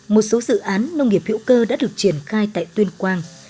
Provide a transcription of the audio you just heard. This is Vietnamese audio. một số dự án nông nghiệp hữu cơ đã được triển khai tại tuyên quang